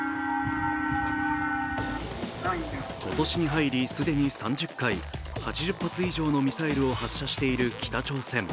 今年に入り既に３０回、８０発以上のミサイルを発射している北朝鮮。